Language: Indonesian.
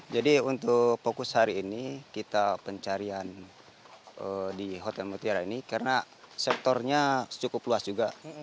jadi untuk fokus hari ini kita pencarian di hotel mutiara ini karena sektornya cukup luas juga